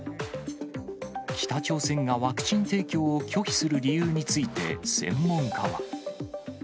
北朝鮮がワクチン提供を拒否する理由について、専門家は。